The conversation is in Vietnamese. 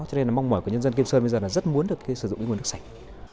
cho nên là mong mỏi của nhân dân kim sơn bây giờ là rất muốn được sử dụng cái nguồn nước sạch